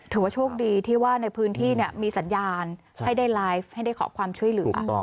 ถือว่าโชคดีที่ว่าในพื้นที่มีสัญญาณให้ได้ไลฟ์ให้ได้ขอความช่วยเหลือ